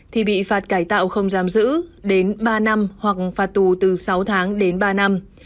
thì bị phạt cải tạo không giam giữ đến ba năm hoặc phạt tù từ sáu tháng đến ba năm